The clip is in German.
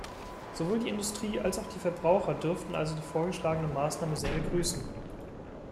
Sowohl die Industrie als auch die Verbraucher dürften also die vorgeschlagene Maßnahme sehr begrüßen.